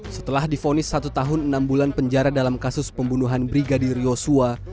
setelah difonis satu tahun enam bulan penjara dalam kasus pembunuhan brigadir yosua